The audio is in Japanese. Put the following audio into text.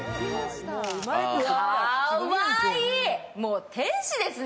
かーわいい、もう天使ですね